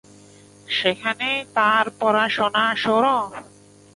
সেখানেই তার পড়াশোনা শুরু।